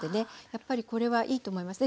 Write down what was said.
やっぱりこれはいいと思います。